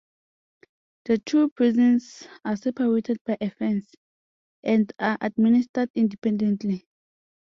The two prisons are separated by a fence, and are administered independently.